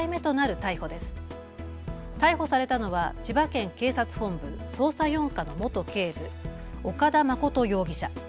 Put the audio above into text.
逮捕されたのは千葉県警察本部捜査４課の元警部、岡田誠容疑者。